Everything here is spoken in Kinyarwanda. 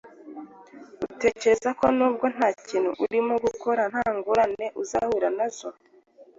utekereza ko nubwo nta kintu urimo gukora, nta ngorane uzahura na zo.